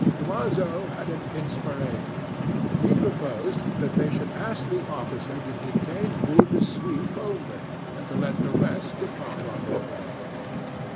Loiseau had an inspiration: he proposed that they should ask the officer to detain Boule de Suif only, and to let the rest depart on their way.